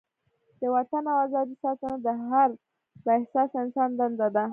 د وطن او ازادۍ ساتنه د هر با احساسه انسان دنده ده.